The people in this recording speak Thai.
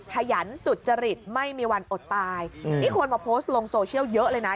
ขยันสุจริตไม่มีวันอดตายนี่คนมาโพสต์ลงโซเชียลเยอะเลยนะ